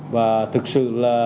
và thực sự là